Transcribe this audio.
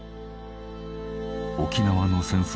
沖縄の戦争